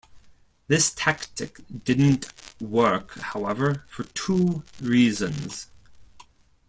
This tactic didn't work however, for two reasons.